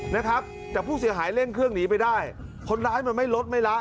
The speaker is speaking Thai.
นะครับแต่ผู้เสียหายเร่งเครื่องหนีไปได้คนร้ายมันไม่ลดไม่ละ